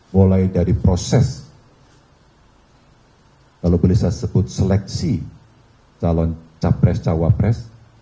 mulai dari proses kalau boleh saya sebut seleksi calon capres cawapres